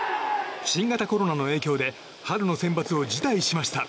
新型コロナの影響で春のセンバツを辞退しました。